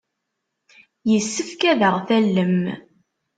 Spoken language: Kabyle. Yessefk ad aɣ-tallem.